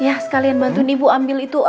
ya sekalian bantuin ibu ambil itu